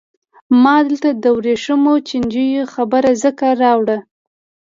ما دلته د ورېښمو چینجیو خبره ځکه راوړه.